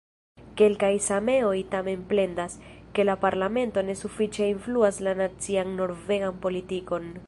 Kelkaj sameoj tamen plendas, ke la parlamento ne sufiĉe influas la nacian norvegan politikon.